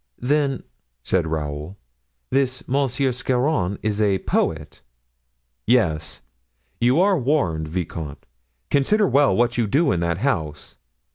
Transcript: "Then," said Raoul, "this Monsieur Scarron is a poet?" "Yes; you are warned, vicomte. Consider well what you do in that house.